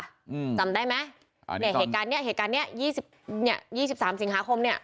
อืมจำได้ไหมอ่าเนี้ยเหตุการณ์เนี้ยเหตุการณ์เนี้ยยี่สิบเนี้ยยี่สิบสามสิงหาคมเนี้ย